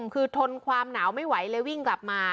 คือทนความหนาวไม่ไหวเลยวิ่งกลับมา